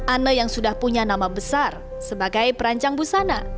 ane yang sudah punya nama besar sebagai perancang busana